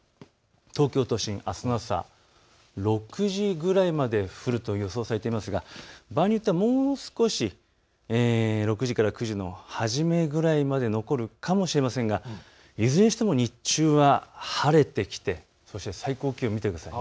東京都心、あすの朝、６時ぐらいまで降ると予想されていますが場合によってはもう少し６時から９時の初めぐらいまで残るかもしれませんが、いずれにしても日中は晴れてきてそして最高気温を見てください。